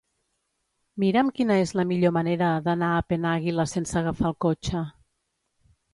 Mira'm quina és la millor manera d'anar a Penàguila sense agafar el cotxe.